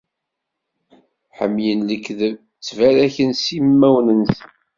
Ḥemmlen lekdeb, ttbaraken s yimawen-nsen.